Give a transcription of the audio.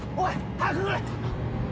早く乗れ！